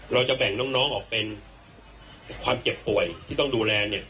เราจะแบ่งน้องออกเป็นความเจ็บป่วยที่ต้องดูแลเนี่ย